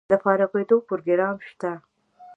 د فارغیدو پروګرام شته؟